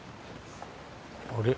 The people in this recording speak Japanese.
あれ？